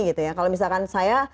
gitu ya kalau misalkan saya